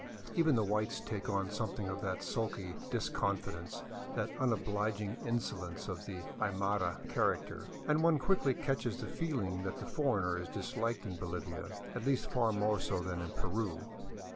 Even the whites take on something of that sulky disconfidence, that unobliging insolence of the Aymara character, and one quickly catches the feeling that the foreigner is disliked in Bolivia, at least far more so than in Peru.